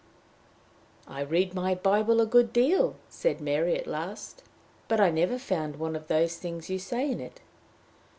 "I read my Bible a good deal," said Mary, at last, "but I never found one of those things you say in it."